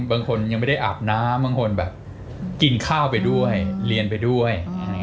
บางคนยังไม่ได้อาบน้ำบางคนแบบกินข้าวไปด้วยเรียนไปด้วย